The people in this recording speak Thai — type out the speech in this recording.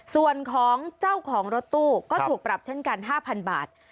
ส่วนของเจ้าของรถตู้ก็ถูกปรับเช่นกัน๕๐๐บาท